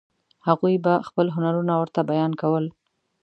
هغوی به خپل هنرونه ورته بیان کول.